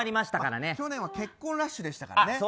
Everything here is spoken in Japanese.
去年は結婚ラッシュでしたからね。